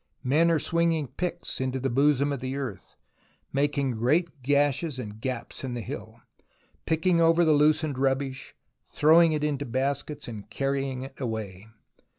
Men are swinging picks into the bosom of the earth, making great gashes and gaps in the hill, picking over the loosened rubbish, throwing it into baskets and carrying it away.